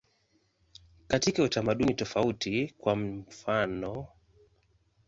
Katika utamaduni tofauti, kwa mfanof.